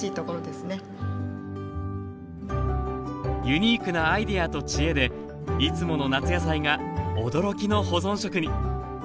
ユニークなアイデアと知恵でいつもの夏野菜が驚きの保存食に。